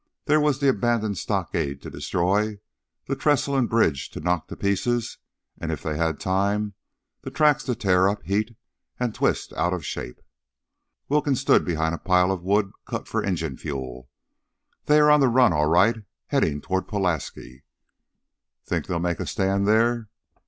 There was the abandoned stockade to destroy, the trestle and bridge to knock to pieces, and if they had time, the tracks to tear up, heat, and twist out of shape. Wilkins stood behind a pile of wood cut for engine fuel. "They are on the run, all right. Headin' toward Pulaski." "Think they'll make a stand there?"